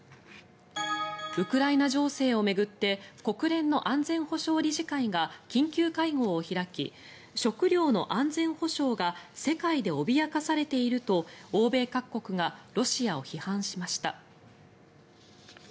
ウクライナ情勢を巡って国連の安全保障理事会が緊急会合を開き食糧の安全保障が世界で脅かされていると欧米各国がロシアを批判しました。